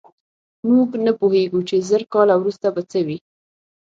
موږ نه پوهېږو، چې زر کاله وروسته به څه وي.